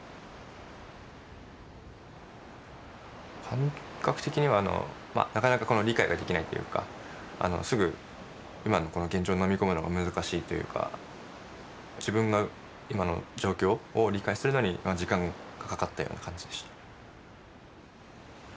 感覚的にはなかなか理解ができないというかすぐ今のこの現状を飲み込むのも難しいというか自分が今の状況を理解するのにまあ時間がかかったような感じでした。